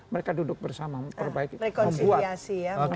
mereka duduk bersama membuat